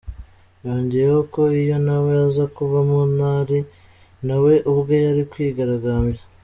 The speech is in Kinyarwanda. Yongeyeho ko iyo na we aza kuba Muntari, na we ubwe yari kwigaragambya.